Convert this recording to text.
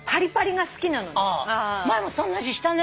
前もそんな話したね。